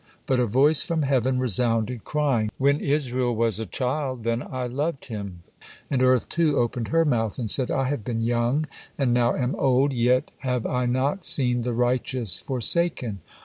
But a voice from heaven resounded, crying, "When Israel was a child, then I loved him," and Earth, too, opened her mouth, and said, "I have been young, and now am old, yet have I not seen the righteous forsaken."